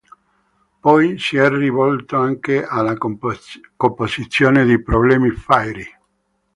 Poi si è rivolto anche alla composizione di problemi "Fairy".